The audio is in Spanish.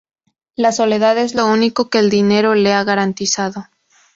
La soledad es lo único que el dinero le ha garantizado.